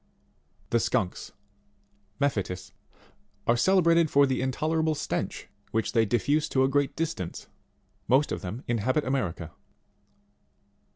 27. The Skunks Mephitis are celebrated for the intolerable stench which they diffuse to a great distance. Most of them in habit America.